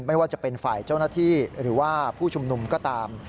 ไม่ว่าจะเป็นฝ่ายเจ้าหน้าที่หรือว่าผู้ชุมนุมก็ตาม